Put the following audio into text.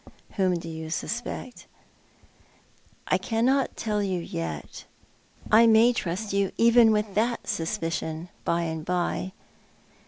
" Whom do you suspect ?" "I cannot tell you yet. I may trust you even with that suspicion by and by.